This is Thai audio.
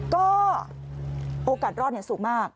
ก็โอกาสรอดสูงมาก